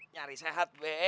nyari sehat be